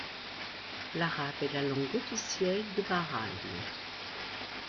L'arabe est la langue officielle de Bahreïn.